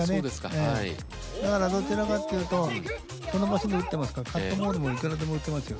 だからどちらかっていうとこの場所に打ってますからカットボールもいくらでも打てますよね。